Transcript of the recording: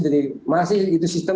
jadi masih itu sistem